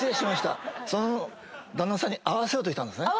その旦那さんに合わせようとしたんですね。